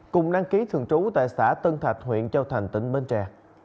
cùng đăng ký thường trú tại xã tân thạch huyện châu thành tỉnh bến tre